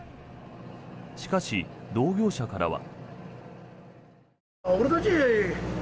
しかし、同業者からは。